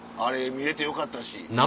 見れてよかった。